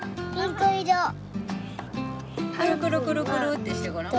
くるくるくるくるってしてごらん。